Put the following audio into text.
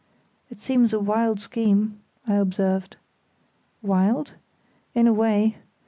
"It seems a wild scheme," I observed. "Wild? In a way.